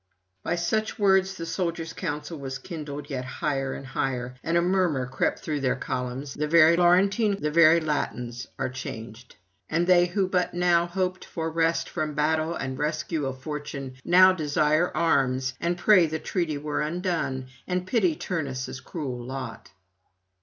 By such words the soldiers' counsel was kindled yet higher and higher, and a murmur crept through their columns; the very Laurentines, the very Latins are changed; and they who but now hoped for rest from battle and rescue of fortune now desire arms and pray the treaty were undone, and pity Turnus' cruel lot.